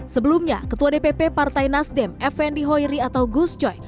sebelumnya ketua dpp partai nasdem fnd hoiri atau gus coy